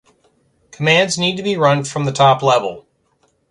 commands need to be run from the top level